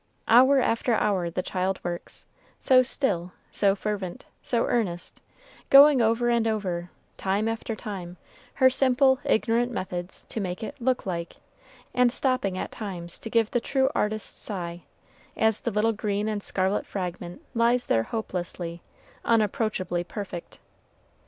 Hour after hour the child works, so still, so fervent, so earnest, going over and over, time after time, her simple, ignorant methods to make it "look like," and stopping, at times, to give the true artist's sigh, as the little green and scarlet fragment lies there hopelessly, unapproachably perfect.